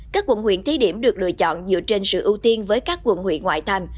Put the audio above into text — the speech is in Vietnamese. các quận huyện thi điểm được lựa chọn dựa trên sự ưu tiên với các quận huyện ngoại thành